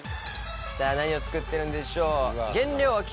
さぁ何を作ってるんでしょう？